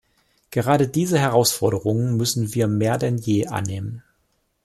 Gerade diese Herausforderungen müssen wir mehr denn je annehmen.